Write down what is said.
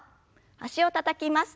脚をたたきます。